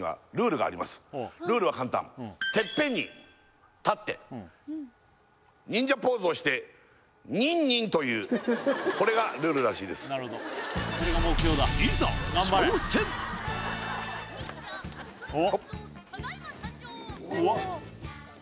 このルールは簡単てっぺんに立って忍者ポーズをしてニンニンと言うこれがルールらしいですおお！